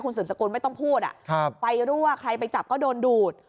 คุณสุ่มสกรุนไม่ต้องพูดอะครับไฟรั่วใครไปจับก็โดนดูด